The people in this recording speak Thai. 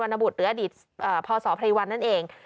นบุตรหรืออดีตพศไพรวัลนั่นเอง